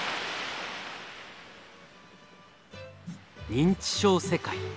認知症世界。